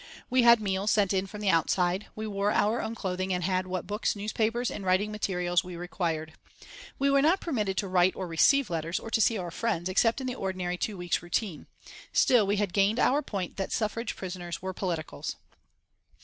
We had meals sent in from the outside; we wore our own clothing and had what books, newspapers and writing materials we required. We were not permitted to write or receive letters or to see our friends except in the ordinary two weeks' routine. Still we had gained our point that suffrage prisoners were politicals.